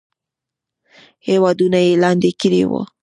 هیوادونه یې لاندې کړي وو.